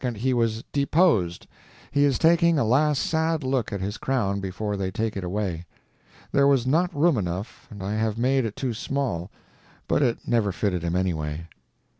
he was deposed. He is taking a last sad look at his crown before they take it away. There was not room enough and I have made it too small; but it never fitted him, anyway.